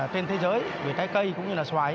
trên thế giới về trái cây cũng như là xoài